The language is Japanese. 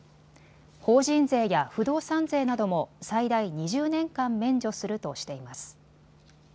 法人税や不動産税なども最大２０年間免除するとしています。